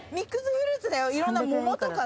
いろんな桃とかさ。